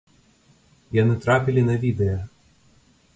Яны трапілі на відэа.